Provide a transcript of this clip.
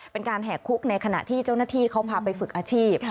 เป็นการแห่คุกในขณะที่เจ้าหน้าที่เขาพาไปฝึกอาชีพ